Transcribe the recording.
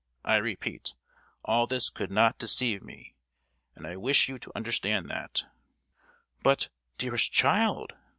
I repeat, all this could not deceive me, and I wish you to understand that!" "But, dearest child!"